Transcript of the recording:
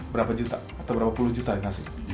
berapa juta atau berapa puluh juta yang ngasih